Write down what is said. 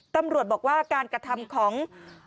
ตำรวจบอกว่าการกระทำของ